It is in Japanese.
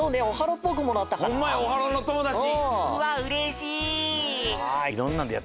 オハローっぽくもなったかな。